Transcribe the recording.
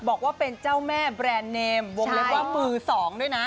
บอกว่าเป็นเจ้าแม่แบรนด์เนมวงเล็บว่ามือสองด้วยนะ